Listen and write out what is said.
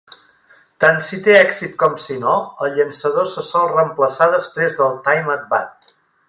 Tant si té èxit com si no, el llançador se sol reemplaçar després del "time at bat".